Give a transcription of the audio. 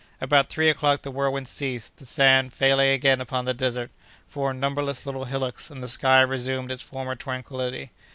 About three o'clock, the whirlwind ceased; the sand, falling again upon the desert, formed numberless little hillocks, and the sky resumed its former tranquillity.